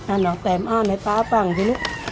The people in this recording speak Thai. อ่านออกแปรมอ้านให้ป๊าฟังสินุก